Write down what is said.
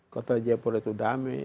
kota jaipura itu damai